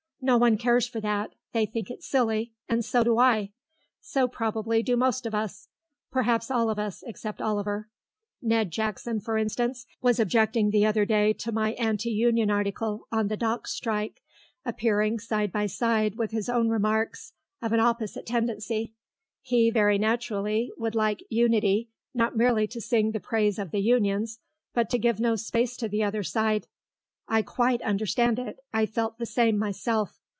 No one cares for that; they think it silly, and so do I. So, probably, do most of us; perhaps all of us except Oliver. Ned Jackson, for instance, was objecting the other day to my anti Union article on the Docks strike appearing side by side with his own remarks of an opposite tendency. He, very naturally, would like Unity not merely to sing the praise of the Unions, but to give no space to the other side. I quite understand it; I felt the same myself.